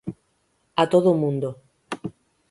A todo o mundo.